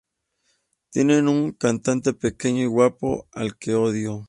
Tienen un cantante pequeño y guapo al que odio.